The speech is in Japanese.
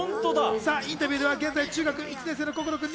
インタビューでは現在中学１年生の心君。